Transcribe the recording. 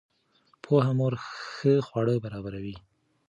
پوهه مور ښه خواړه برابروي.